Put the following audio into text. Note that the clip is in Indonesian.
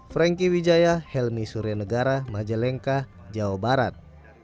franky wijaya helmi surya negara majalengka jawa barat